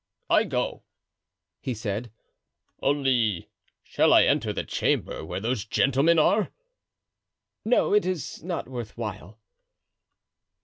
"I go," he said, "only, shall I enter the chamber where those gentlemen are?" "No, it is not worth while."